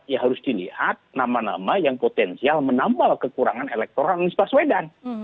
ya harus dilihat nama nama yang potensial menambah kekurangan elektoral anies baswedan